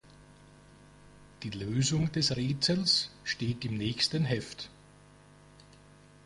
Die Lösung des Rätsels steht im nächsten Heft.